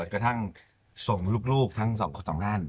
กระทั่งส่งลูกทั้งสองด้าน